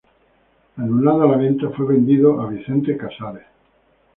Anulada la venta, fue vendido a Vicente Casares.